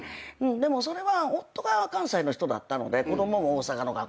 でもそれは夫が関西の人だったので子供も大阪の学校行ってる。